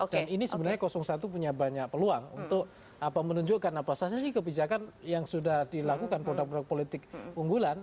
dan ini sebenarnya satu punya banyak peluang untuk menunjukkan apa saja sih kebijakan yang sudah dilakukan produk produk politik unggulan